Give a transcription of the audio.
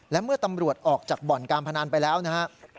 และเมื่อตำรวจออกจากบ่อนการพนันไปแล้วนะครับ